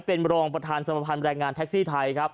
เป็นรองประธานสมภัณฑ์แรงงานแท็กซี่ไทยครับ